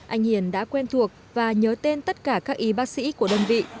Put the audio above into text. anh hiền đã quen thuộc và nhớ tên tất cả các y bác sĩ của đơn vị